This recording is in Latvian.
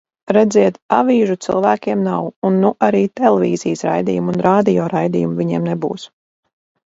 Redziet, avīžu cilvēkiem nav, un nu arī televīzijas raidījumu un radio raidījumu viņiem nebūs.